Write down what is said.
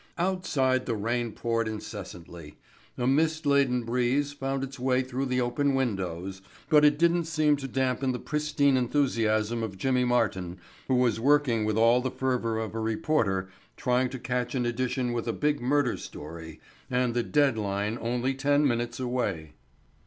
Outside the rain poured incessantly. A mist laden breeze found its way through the open windows, but it didn't seem to dampen the pristine enthusiasm of Jimmy Martin who was working with all the fervor of a reporter trying to catch an edition with a big murder story and the "dead line" only ten minutes away.